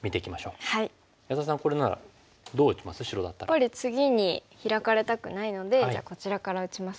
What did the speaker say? やっぱり次にヒラかれたくないのでじゃあこちらから打ちますか。